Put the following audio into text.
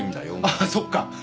ああそっか。